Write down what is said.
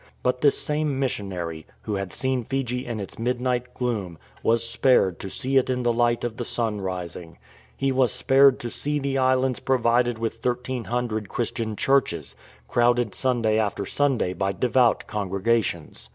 But this same missionary, who had seen Fiji in its midnight gloom, was spared to see it in the light of the sun rising. He was spared to see the islands provided with 1300 Christian churches, crowded Sunday after Sunday by devout congregations.